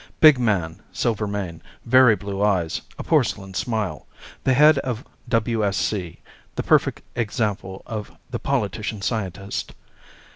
Big man, silver mane, very blue eyes, a porcelain smile. The head of WSC, the perfect example of the politician scientist.